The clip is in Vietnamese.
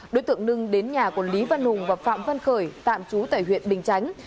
đối tượng nưng đến nhà của lý văn hùng và phạm văn khởi tạm trú tại huyện bình chánh